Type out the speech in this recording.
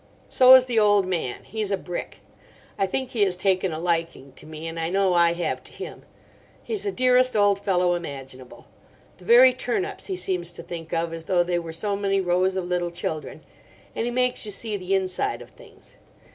So is the old man: he's a brick. I think he has taken a liking to me, and I know I have to him. He's the dearest old fellow imaginable. The very turnips he seems to think of as though they were so many rows of little children. And he makes you see the inside of things.